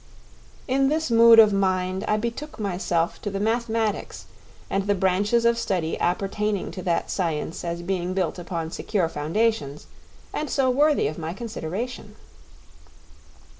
In this mood of mind I betook myself to the mathematics and the branches of study appertaining to that science as being built upon secure foundations, and so worthy of my consideration.